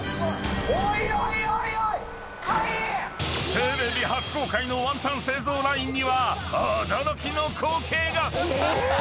［テレビ初公開のワンタン製造ラインには驚きの光景が！］